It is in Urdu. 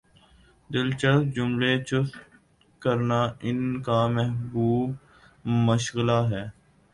دلچسپ جملے چست کرنا ان کامحبوب مشغلہ ہے